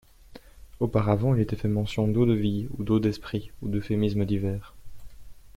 Auparavant, il était fait mention d'eau-de-vie, ou d'eau d'esprit, ou d'euphémismes divers.